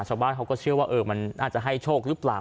ชาวบ้านเขาก็เชื่อว่ามันน่าจะให้โชคหรือเปล่า